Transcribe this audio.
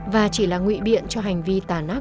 và chỉ là ngụy biện cho hành vi tàn ác